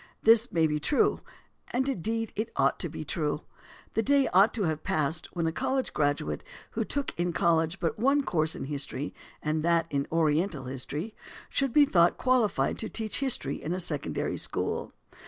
This may be true; and indeed ought to be true. The day ought to have passed when a college graduate who took in college but one course in history, and that in Oriental history, should be thought qualified to teach history in a secondary school.